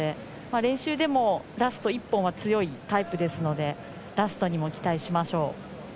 練習でもラスト１本は強いタイプですのでラストにも期待しましょう。